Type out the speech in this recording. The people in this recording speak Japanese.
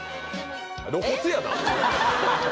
露骨やな！